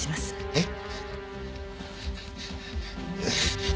えっ？